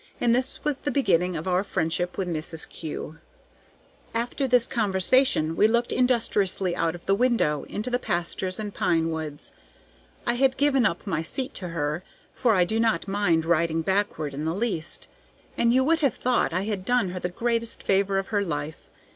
And this was the beginning of our friendship with Mrs. Kew. After this conversation we looked industriously out of the window into the pastures and pine woods. I had given up my seat to her, for I do not mind riding backward in the least, and you would have thought I had done her the greatest favor of her life.